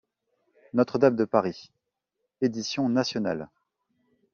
Notre-Dame de Paris. — Édition nationale.